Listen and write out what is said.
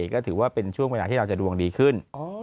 ก็ถือว่าเป็นช่วงเวลาที่เราจะดวงดีขึ้น